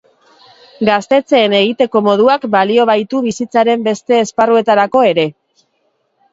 Gaztetxeen egiteko moduak balio baitu bizitzaren beste esparruetarako ere.